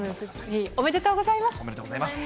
おめでとうございます。